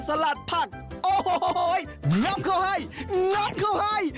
สลัดผักโอ้โหงับเขาให้งับเขาให้